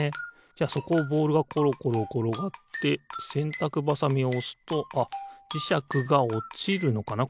じゃあそこをボールがころころころがってせんたくばさみをおすとあっじしゃくがおちるのかな？